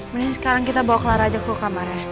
mending sekarang kita bawa kelar aja ke kamarnya